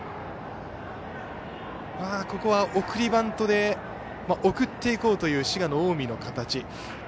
ここは送りバントで送っていこうという滋賀の近江の形。